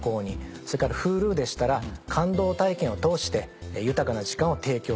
それからＨｕｌｕでしたら感動体験を通して豊かな時間を提供する。